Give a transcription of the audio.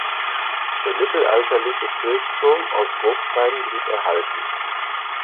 Der mittelalterliche Kirchturm aus Bruchsteinen blieb erhalten.